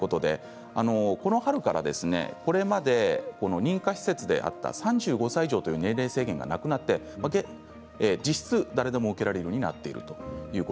この春から、これまで認可施設であった３５歳以上という年齢制限がなくなって実質誰でも受けられるようになりました。